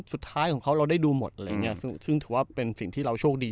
สุดท้ายของเขาเราได้ดูหมดอะไรอย่างเงี้ยซึ่งถือว่าเป็นสิ่งที่เราโชคดี